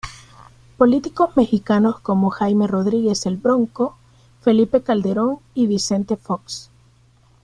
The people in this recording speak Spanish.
Políticos mexicanos como Jaime Rodríguez "El Bronco", Felipe Calderón y Vicente Fox.